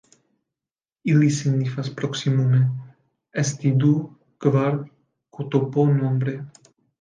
Ili signifas proksimume 'esti du, kvar ktp nombre'.